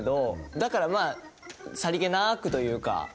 だからまあさりげなくというか。